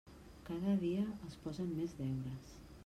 Cada dia els posen més deures.